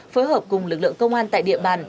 phối hợp cùng lực lượng công an tại địa bàn